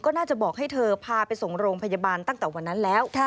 ก็น่าจะบอกให้เธอพาไปส่งโรงพยาบาลตั้งแต่วันนั้นแล้ว